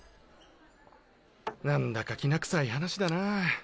何だかきな臭い話だなぁ。